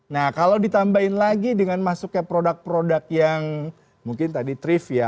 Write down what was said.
nah kalau ditambahin lagi dengan masuknya produk produk yang mungkin tadi trift ya